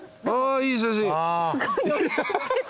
いい写真。